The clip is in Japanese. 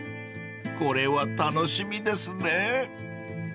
［これは楽しみですね］